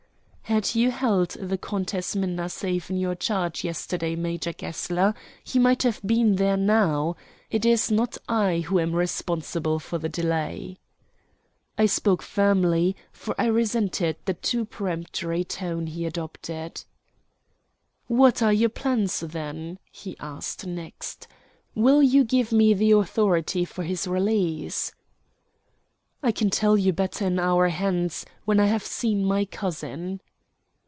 "Had you held the Countess Minna safe in your charge yesterday, Major Gessler, he might have been there now. It is not I who am responsible for the delay." I spoke firmly, for I resented the too peremptory tone he adopted. "What are your plans, then?" he asked next. "Will you give me the authority for his release?" "I can tell you better an hour hence, when I have seen my cousin."